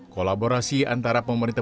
kolaborasi antara pemerintah